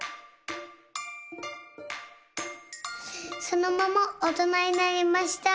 そのままおとなになりました。